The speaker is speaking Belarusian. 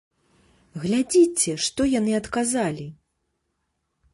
Глядзіце, што яны адказалі!